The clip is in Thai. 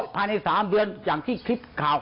ภายใน๓เดือนอย่างที่คลิปข่าว